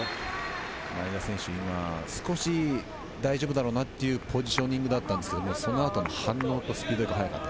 前田選手には大丈夫だろうなというポジショニングでしたが、そのあとの反応とスピードが速かった。